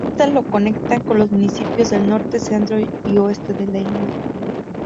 Estas lo conectan con los municipios del Norte, Centro y Oeste de la Isla.